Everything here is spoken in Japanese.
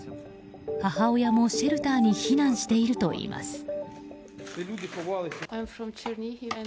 母親もシェルターに避難しているといいます。